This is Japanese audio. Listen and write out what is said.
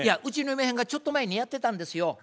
うちの嫁はんがちょっと前にやってたんですよ。